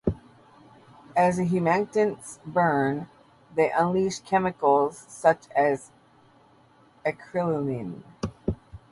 As the humectants burn, they unleash chemicals such as acreolein.